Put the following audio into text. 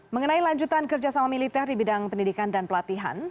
mengenai lanjutan kerjasama militer di bidang pendidikan dan pelatihan